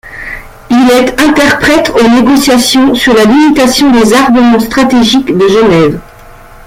Il est interprète aux négociations sur la limitation des armements stratégiques de Genève.